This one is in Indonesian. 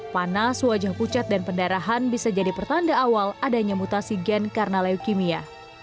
panas wajah pucat dan pendarahan bisa jadi pertanda awal adanya mutasi gen karena leukemia